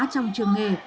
trong trường nghề